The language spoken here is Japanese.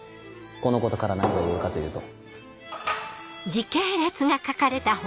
このことから何が言えるかというと。